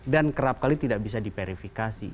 dan kerap kali tidak bisa diperifikasi